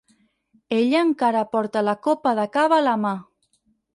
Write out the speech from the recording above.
Ella encara porta la copa de cava a la mà.